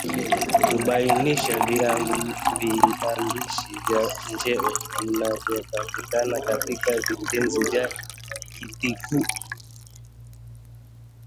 Kubainisha viambishi vya njeo vinavyopatikana katika vitenzi vya Kitikuu